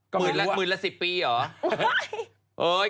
ก็ไม่รู้หมื่นละสิบปีหรอ